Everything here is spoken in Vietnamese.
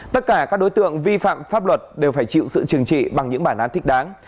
tất cả các đối tượng vi phạm pháp luật đều phải chịu sự trừng trị bằng những bản án thích đáng